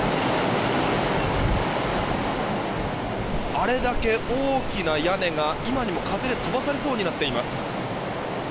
あれだけ大きな屋根が今にも風で飛ばされそうになっています。